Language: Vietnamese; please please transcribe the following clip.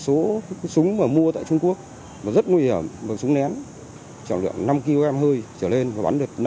số súng mà mua tại trung quốc rất nguy hiểm bằng súng ném trọng lượng năm kg hơi trở lên và bắn được